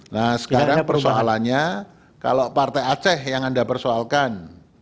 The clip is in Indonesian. nah sekarang persoalannya kalau partai aceh yang anda persoalkan